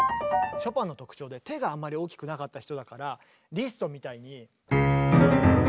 ショパンの特徴で手があんまり大きくなかった人だからリストみたいに。